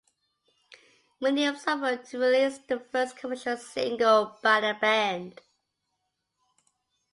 Williams offered to release the first commercial single by the band.